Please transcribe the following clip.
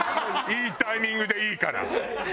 いいタイミングでいいから。